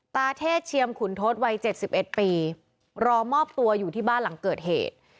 ตาเทศเชียมขุนทศวัยเจ็ดสิบเอ็ดปีรอมอบตัวอยู่ที่บ้านหลังเกิดเหตุ